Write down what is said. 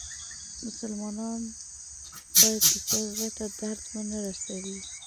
مسلمان باید د چا زړه ته درد و نه روسوي.